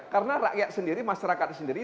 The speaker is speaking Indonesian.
karena rakyat sendiri masyarakat sendiri